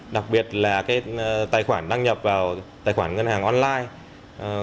đặc biệt là tài khoản đăng nhập vào tài khoản ngân hàng online